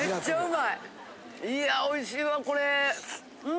いやおいしいわこれうん。